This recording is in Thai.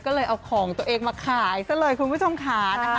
ก็เลยเอาของตัวเองมาขายซะเลยคุณผู้ชมค่ะนะคะ